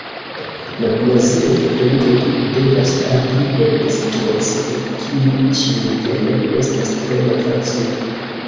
La brazilaj katolikoj devas agi en situacio, kiu ĉiunivele estas tre malfacila.